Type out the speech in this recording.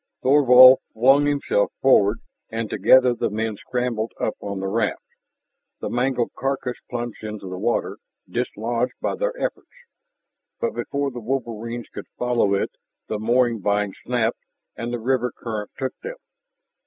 Thorvald flung himself forward, and together the men scrambled up on the raft. The mangled carcass plunged into the water, dislodged by their efforts. But before the wolverines could follow it, the mooring vine snapped, and the river current took them.